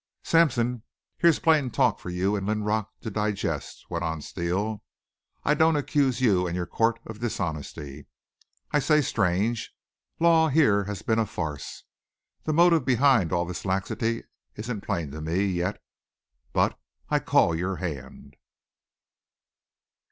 "Sampson, here's plain talk for you and Linrock to digest," went on Steele. "I don't accuse you and your court of dishonesty. I say strange! Law here has been a farce. The motive behind all this laxity isn't plain to me yet. But I call your hand!"